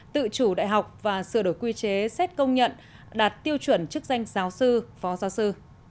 tự chủ đại học và sửa đổi quy chế xét công nhận đạt tiêu chuẩn chức danh giáo sư phó giáo sư